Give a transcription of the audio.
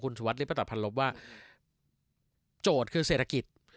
ของคุณสุวัสดิ์ริปรัติภัณฑ์ลบว่าโจทย์คือเศรษฐกิจ